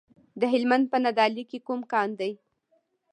د هلمند په نادعلي کې کوم کان دی؟